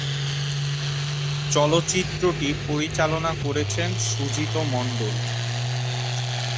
চলচ্চিত্রটি পরিচালনা করেছেন সুজিত মন্ডল।